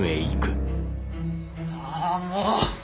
ああもう！